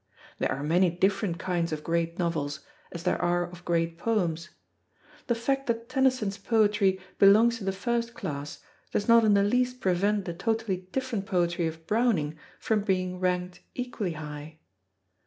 There are many different kinds of great novels, as there are of great poems. The fact that Tennyson's poetry belongs to the first class does not in the least prevent the totally different poetry of Browning from being ranked equally high.